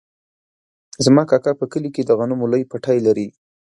زما کاکا په کلي کې د غنمو لوی پټی لري.